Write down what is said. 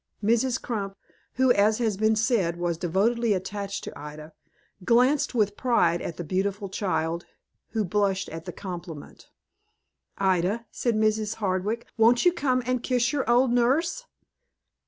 Mrs. Crump, who, as has been said, was devotedly attached to Ida, glanced with pride at the beautiful child, who blushed at the compliment. "Ida," said Mrs. Hardwick, "won't you come and kiss your old nurse?"